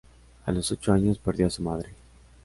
A los ocho años perdió a su madre.